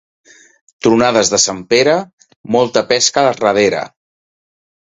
Tronades per Sant Pere, molta pesca darrere.